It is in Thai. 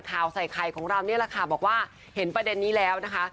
ข่าวใส่ไข่ของเรานี่แหละค่ะบอกว่าเห็นประเด็นนี้แล้วนะคะ